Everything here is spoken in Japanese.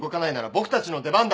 僕たちの出番だ！